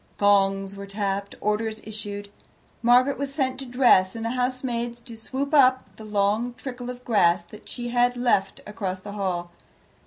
Gongs were tapped, orders issued, Margaret was sent to dress, and the housemaid to sweep up the long trickle of grass that she had left across the hall.